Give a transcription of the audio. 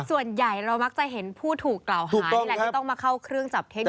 ส่วนใหญ่เรามักจะเห็นผู้ถูกกล่าวหานี่แหละที่ต้องมาเข้าเครื่องจับเท็จ